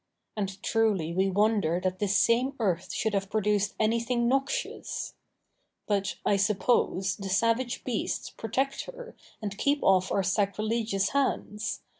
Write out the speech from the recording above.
And truly we wonder that this same earth should have produced anything noxious! But, I suppose, the savage beasts protect her and keep off our sacrilegious hands.